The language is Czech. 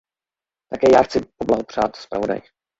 Také já chci poblahopřát zpravodaji.